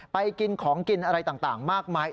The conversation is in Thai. ไปกินของกินอะไรต่างมากมาย